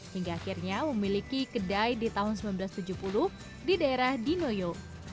hingga akhirnya memiliki kedai di tahun seribu sembilan ratus tujuh puluh di daerah dinoyo